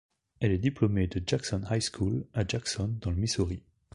Elle est diplômée de Jackson High School à Jackson dans le Missouri.